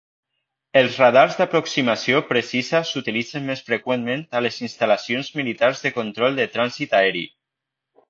Els radars d'aproximació precisa s'utilitzen més freqüentment a les instal·lacions militars de control de trànsit aeri.